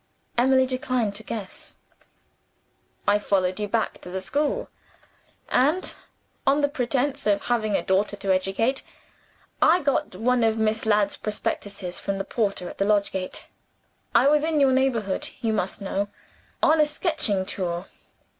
Emily declined to guess. "I followed you back to the school; and, on pretense of having a daughter to educate, I got one of Miss Ladd's prospectuses from the porter at the lodge gate. I was in your neighborhood, you must know, on a sketching tour.